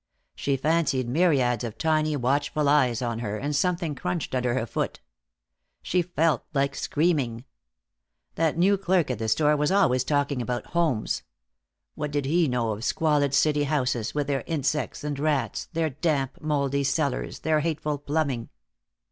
She fancied myriads of tiny, watchful eyes on her, and something crunched under her foot. She felt like screaming. That new clerk at the store was always talking about homes. What did he know of squalid city houses, with their insects and rats, their damp, moldy cellars, their hateful plumbing?